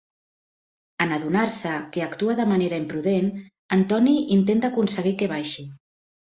En adonar-se que actua de manera imprudent, en Tony intenta aconseguir que baixi.